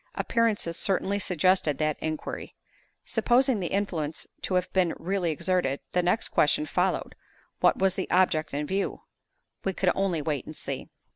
Appearances certainly suggested that inquiry. Supposing the influence to have been really exerted, the next question followed, What was the object in view? We could only wait and see.